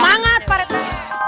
semangat pak rete